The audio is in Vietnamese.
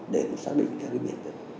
để xác định theo cái biệt